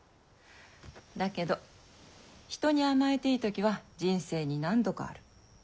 だけど人に甘えていい時は人生に何度かある。